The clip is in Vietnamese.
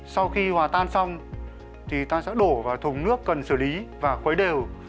sau khi hòa tan xong thì ta sẽ đổ vào thùng nước cần xử lý và quấy đều